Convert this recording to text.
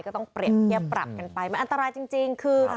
ก็ต้องเปรียบเทียบปรับกันไปมันอันตรายจริงคือ